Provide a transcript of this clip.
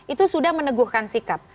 itu sudah meneguhkan sikap